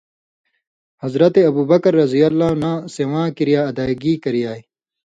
حضرت ابوبکر رض نہ سِواں کریا ادائیگی کریائ